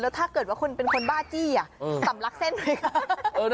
แล้วถ้าเกิดว่าเป็นคนบ้าจี้ต่ำลักเส้นหน่อยค่ะ